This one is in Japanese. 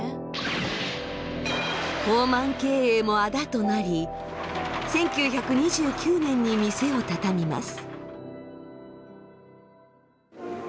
放漫経営もあだとなり１９２９年に店を畳みます。